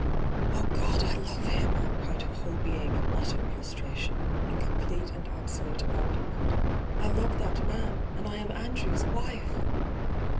' Oh, God, I love him !' cried her whole being in utter prostration, in complete and absolute abandonment. ' I love that man, and I am Andrew's wife